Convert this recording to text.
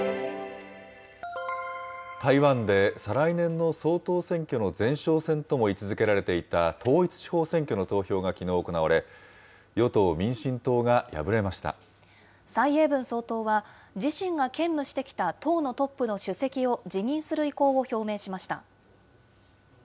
台湾で再来年の総統選挙の前哨戦とも位置づけられていた統一地方選挙の投票がきのう行われ、蔡英文総統は、自身が兼務してきた党のトップの主席を辞任する意向を表明しまし